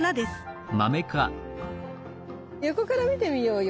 横から見てみようよ。